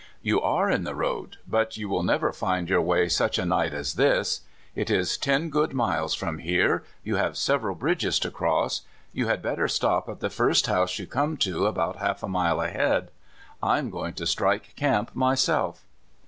" "You are in the road, but you will never find your way such a night as this. It is ten good miles from here ; you have several bridges to cross. You had better stop at the first house you come to, about half a mile ahead. I am going to strike camp myself."